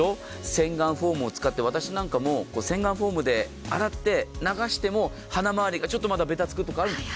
洗顔フォームを使って私なんかも洗顔フォームで洗って流しても鼻周りがちょっとべたつくとかあるんです。